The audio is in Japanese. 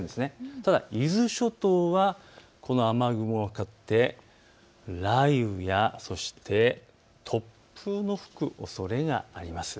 ただ伊豆諸島は雨雲がかかって雷雨やそして突風の吹くおそれがあります。